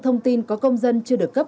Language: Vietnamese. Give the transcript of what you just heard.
thông tin có công dân chưa được cấp